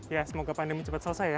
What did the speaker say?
ya semoga pandemi cepat selesai ya